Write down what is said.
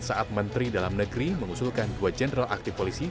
saat menteri dalam negeri mengusulkan dua jenderal aktif polisi